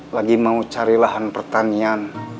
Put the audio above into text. lagi mau cari lahan pertanian